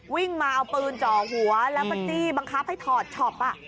วิ่งมาเอาปืนจ่อหัวแล้วก็จี้บังคับให้ถอดช็อป